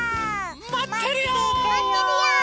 まってるよ！